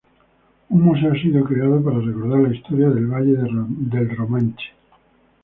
Un museo ha sido creado para recordar la historia del valle del Romanche.